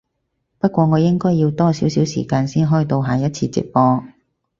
不過我應該要多少少時間先開到下一次直播